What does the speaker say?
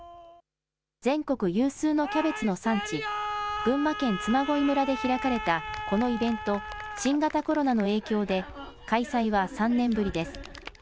全国有数のキャベツの産地、群馬県嬬恋村で開かれたこのイベント、新型コロナの影響で開催は３年ぶりです。